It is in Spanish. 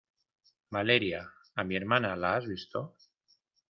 ¡ Valeria! ¿ a mi hermana la has visto?